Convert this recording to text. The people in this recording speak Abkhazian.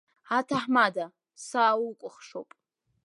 Аҭаҳмада, сааукәахшоуп!